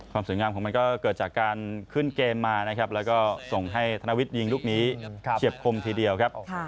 สวยงามของมันก็เกิดจากการขึ้นเกมมานะครับแล้วก็ส่งให้ธนวิทย์ยิงลูกนี้เฉียบคมทีเดียวครับ